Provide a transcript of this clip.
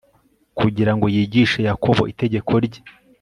kugira ngo yigishe yakobo itegeko rye